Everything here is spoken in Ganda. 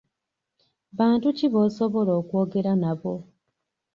Bantu ki b’osobola okwogera nabo